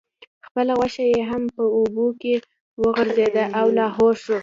خپله غوښه یې هم په اوبو کې وغورځیده او لاهو شوه.